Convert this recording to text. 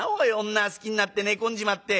女好きになって寝込んじまって。